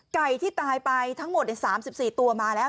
ไก่ที่ตายไปทั้งหมด๓๔ตัวมาแล้ว